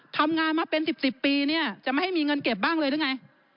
ทำงานมาเป็น๑๐ปีเนี่ยจะไม่ให้มีเงินเก็บบ้างเลยหรือไง